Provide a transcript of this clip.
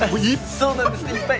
そうなんですねいっぱい。